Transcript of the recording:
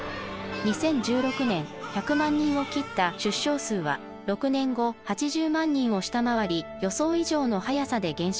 ２０１６年１００万人を切った出生数は６年後８０万人を下回り予想以上の速さで減少。